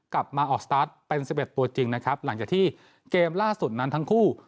มาออกสตาร์ทเป็น๑๑ตัวจริงนะครับหลังจากที่เกมล่าสุดนั้นทั้งคู่